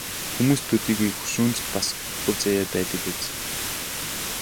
Хүмүүст төдийгүй хөшөөнд ч бас хувь заяа байдаг биз.